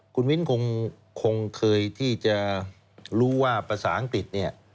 คุณวินคงเคยที่จะรู้ว่าภาษาอังกฤษ